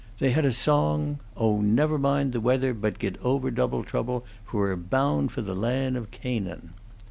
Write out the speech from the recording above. They had a song, "Oh, never mind the weather, but git over double trouble, For we're bound for the land of Canaan."